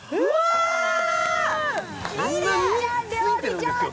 あきえちゃん料理上手！